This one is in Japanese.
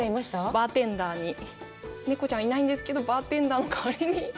バーテンダーに、猫ちゃんはいないんですけどバーテンダーの代わりに。